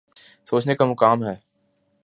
سوچنے کا مقام ہے۔